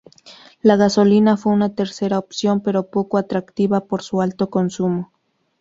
La gasolina fue una tercera opción, pero poco atractiva por su alto consumo.